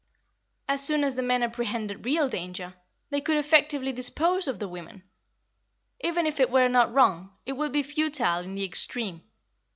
As soon as the men apprehended real danger, they could effectively dispose of the women. Even if it were not wrong, it would be futile in the extreme.